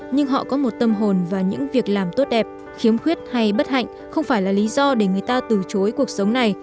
nhưng họ có một tâm hồn và những việc làm tốt đẹp khiếm khuyết hay bất hạnh không phải là lý do để người ta từ chối cuộc sống này